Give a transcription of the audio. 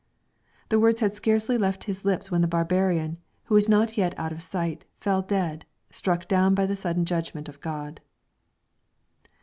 The words had scarcely left his lips when the barbarian, who was not yet out of sight, fell dead, struck down by the sudden judgment of God.